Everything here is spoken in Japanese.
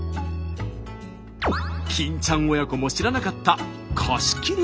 金ちゃん親子も知らなかった